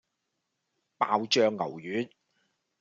爆醬牛丸